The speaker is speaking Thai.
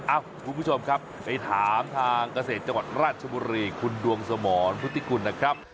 คุณผู้ชมครับไปถามทางเกษตรจังหวัดราชบุรีคุณดวงสมรพุทธิกุลนะครับ